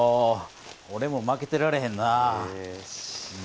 おれも負けてられへんな。